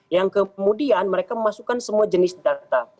yang kemudian mereka memasukkan semua jenis data